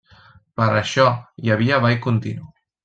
Per això hi havia ball continu.